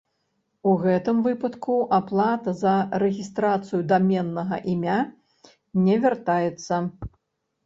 У гэтым выпадку аплата за рэгістрацыю даменнага імя не вяртаецца.